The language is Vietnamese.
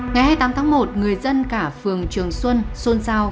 ngày hai mươi tám tháng một người dân cả phường trường xuân xuân giao